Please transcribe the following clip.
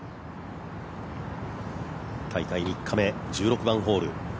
大会３日目、１６番ホール。